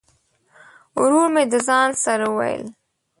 ورور مي د ځان سره وویل !